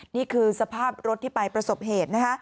นี่คือสภาพรถที่ไปประสบเหตุนะคะ